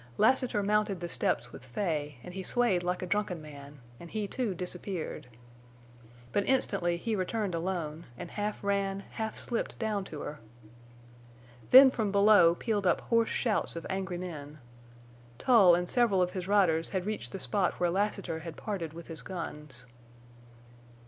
Lassiter mounted the steps with Fay, and he swayed like a drunken man, and he too disappeared. But instantly he returned alone, and half ran, half slipped down to her. Then from below pealed up hoarse shouts of angry men. Tull and several of his riders had reached the spot where Lassiter had parted with his guns.